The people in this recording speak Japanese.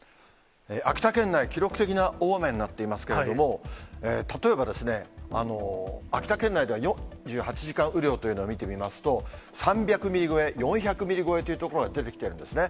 秋田県内、記録的な大雨になっていますけれども、例えばですね、秋田県内では、４８時間雨量というのを見てみますと、３００ミリ超え、４００ミリ超えという所が出てきてるんですね。